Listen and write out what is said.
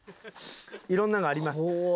いろんなのがあります。